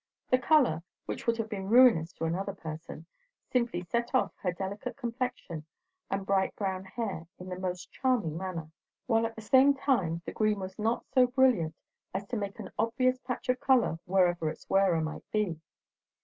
The colour, which would have been ruinous to another person, simply set off her delicate complexion and bright brown hair in the most charming manner; while at the same time the green was not so brilliant as to make an obvious patch of colour wherever its wearer might be.